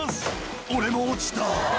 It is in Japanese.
「俺も落ちた」